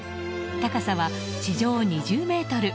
高さは地上２０ｍ。